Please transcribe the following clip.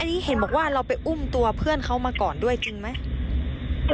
อันนี้เห็นบอกว่าเราไปอุ้มตัวเพื่อนเขามาก่อนด้วยจริงไหม